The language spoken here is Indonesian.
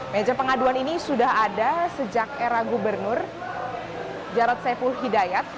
meja pengaduan ini sudah ada sejak era gubernur jarod saiful hidayat